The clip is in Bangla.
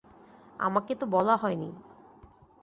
আমাকে তো বলা হয়নি।